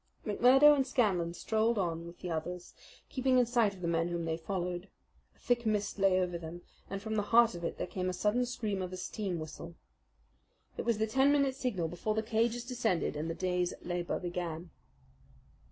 McMurdo and Scanlan strolled on with the others, keeping in sight of the men whom they followed. A thick mist lay over them, and from the heart of it there came the sudden scream of a steam whistle. It was the ten minute signal before the cages descended and the day's labour began.